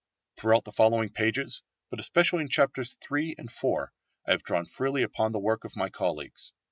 Throughout the following pages, but especially in chapters III and IV, I have drawn freely upon the work of my colleagues.